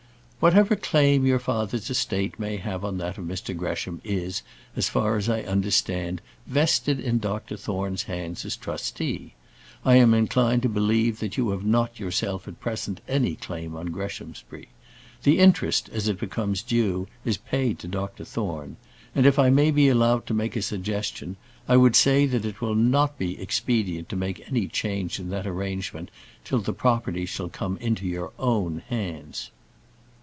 "Whatever claim your father's estate may have on that of Mr Gresham is, as far as I understand, vested in Dr Thorne's hands as trustee. I am inclined to believe that you have not yourself at present any claim on Greshamsbury. The interest, as it becomes due, is paid to Dr Thorne; and if I may be allowed to make a suggestion, I would say that it will not be expedient to make any change in that arrangement till the property shall come into your own hands."